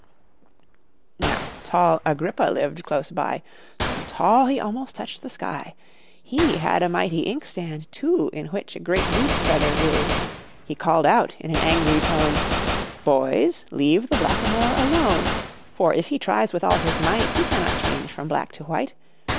Now tall Agrippa lived close by So tall, he almost touched the sky; He had a mighty inkstand, too, In which a great goose feather grew; He called out in an angry tone "Boys, leave the Black a moor alone! For, if he tries with all his might, He cannot change from black to white."